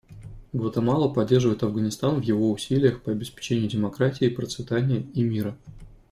Гватемала поддерживает Афганистан в его усилиях по обеспечению демократии, процветания и мира.